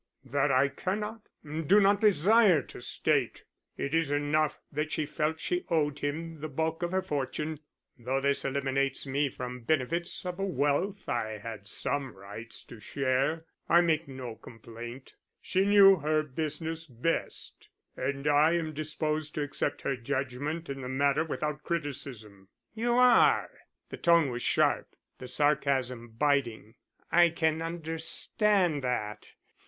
"That I cannot, do not desire to state. It is enough that she felt she owed him the bulk of her fortune. Though this eliminates me from benefits of a wealth I had some rights to share, I make no complaint. She knew her business best, and I am disposed to accept her judgment in the matter without criticism." "You are?" The tone was sharp, the sarcasm biting. "I can understand that.